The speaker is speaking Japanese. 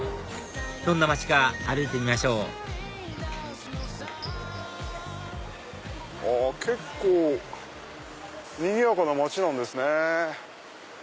どんな街か歩いてみましょう結構にぎやかな街なんですね。